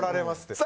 さあ